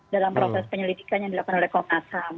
dalam proses penyelidikan yang dilakukan oleh komnas ham